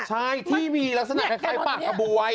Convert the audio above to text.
ใช่ที่มีลักษณะคล้ายปากกระบวย